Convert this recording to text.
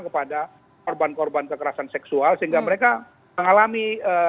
kepada korban korban kekerasan seksual sehingga mereka mengalami